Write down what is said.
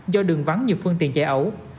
do đường vắng nhiều phương tiện chạy ẩu